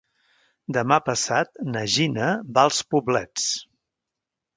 Demà passat na Gina va als Poblets.